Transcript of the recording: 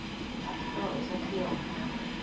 — А што, өсөнсө йыл.